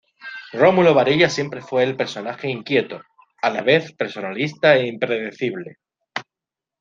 Rómulo Varillas siempre fue el personaje inquieto, a la vez personalista e impredecible.